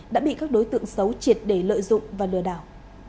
đã bị các đối tượng xấu triệt để lợi dụng và lừa đảo